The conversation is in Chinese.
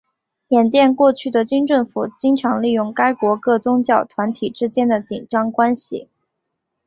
缅甸过去的军政府经常利用该国各宗教团体之间的紧张关系。